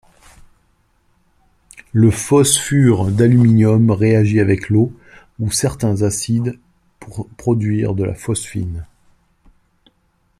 Le phosphure d'aluminium réagit avec l'eau ou certains acides pour produire de la phosphine.